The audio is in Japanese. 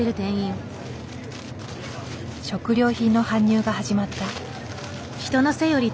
食料品の搬入が始まった。